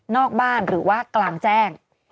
บ้านหรือว่ากลางแจ้ง